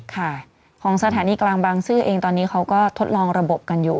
ค่ะของสถานีกลางบางซื่อเองตอนนี้เขาก็ทดลองระบบกันอยู่